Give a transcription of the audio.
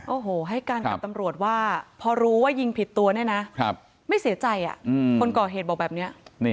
โอ้โหให้การกับตำรวจว่าพอรู้ว่ายิงผิดตัวเนี่ยนะไม่เสียใจคนก่อเหตุบอกแบบนี้